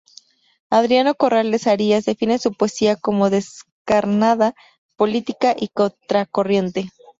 Adriano Corrales Arias define su poesía como descarnada, política y contracorriente.